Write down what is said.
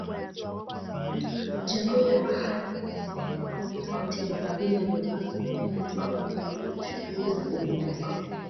Jamii ya Wahadzabe ni moja kati ya makabila yaliyobaki duniani yanayoendeleza shughuli za uwindaji